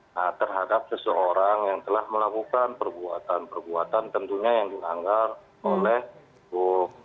nah terhadap seseorang yang telah melakukan perbuatan perbuatan tentunya yang dilanggar oleh bu